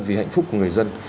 vì hạnh phúc của người dân